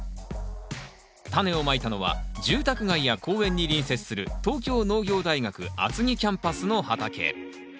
タネをまいたのは住宅街や公園に隣接する東京農業大学厚木キャンパスの畑。